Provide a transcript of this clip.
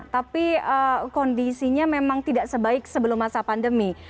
tapi kondisinya memang tidak sebaik sebelum masa pandemi